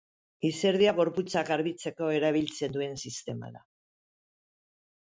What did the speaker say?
Izerdia gorputzak garbitzeko erabiltzen duen sistema da.